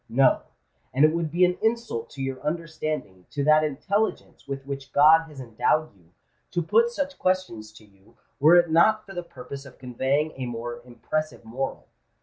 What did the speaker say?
No: and it would be an insult to your understanding—to that intelligence with which God has endowed you—to put such questions to you, were it not for the purpose of conveying a more impressive moral.